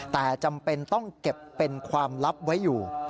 แต่จำเป็นต้องเก็บเป็นความลับไว้อยู่